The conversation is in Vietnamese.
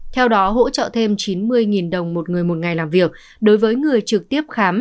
theo đó hỗ trợ thêm chín mươi đồng một người một ngày làm việc đối với người trực tiếp khám